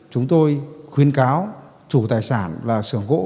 chúng tôi khuyên cáo chủ tài sản và sưởng gỗ